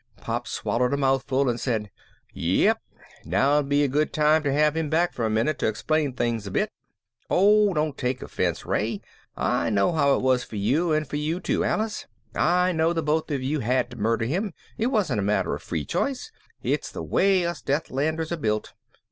Pop swallowed a mouthful and said, "Yep, now'd be a good time to have him back for a minute, to explain things a bit. Oh, don't take offense, Ray, I know how it was for you and for you too, Alice. I know the both of you had to murder him, it wasn't a matter of free choice, it's the way us Deathlanders are built.